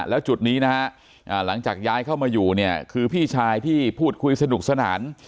แล้วจุดนี้นะฮะหลังจากย้ายเข้ามาอยู่เนี่ยคือพี่ชายที่พูดคุยสนุกสนาน